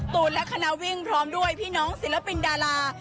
ตูนและคณะวิ่งพร้อมด้วยพี่น้องศิลปินดารา